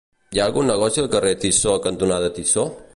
Hi ha algun negoci al carrer Tissó cantonada Tissó?